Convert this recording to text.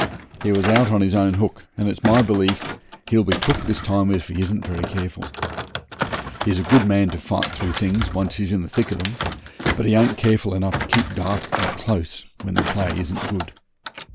He was out on his own hook, and it's my belief he'll be took this time if he isn't very careful. He's a good man to fight through things when once he's in the thick of 'em, but he ain't careful enough to keep dark and close when the play isn't good.